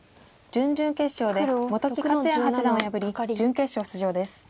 準々決勝で本木克弥八段を破り準決勝出場です。